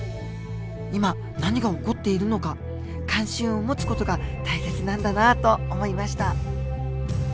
今何が起こっているのか関心を持つ事が大切なんだなと思いました。